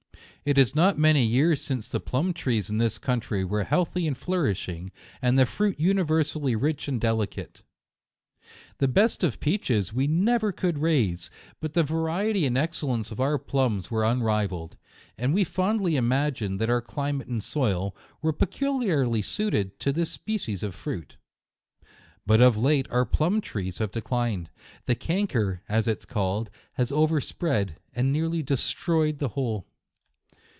It is not many years since the plum trees in this country were healthy and flourishing, and the fruit universally rich and delicate. The best of peaches we never could raise, but the variety and excellence of our plums were unrivalled, and we fondly imagined that our climate and soil were peculiarly suited to this species of fruit. But of late our plum trees have declined ; the canker, as it is called, has overspread, and nearly destroyed the whole.